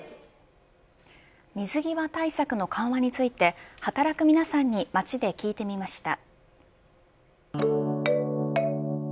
水際対策の緩和について働く皆さんに街で聞いてみました。